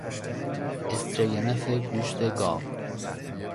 استرگنف گوشت گاو